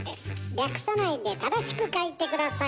略さないで正しく書いて下さい。